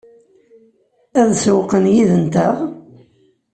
Ad sewwqen yid-nteɣ?